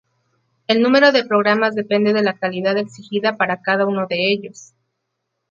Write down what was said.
El número de programas depende de la calidad exigida para cada uno de ellos.